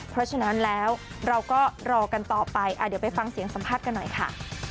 เพราะฉะนั้นแล้วเราก็รอกันต่อไปเดี๋ยวไปฟังเสียงสัมภาษณ์กันหน่อยค่ะ